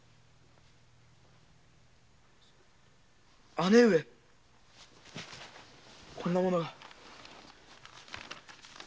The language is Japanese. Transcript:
姉上こんなものが？